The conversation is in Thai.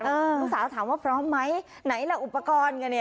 ลูกสาวถามว่าพร้อมไหมไหนล่ะอุปกรณ์กันเนี่ย